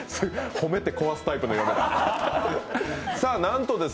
褒めて壊すタイプのようです。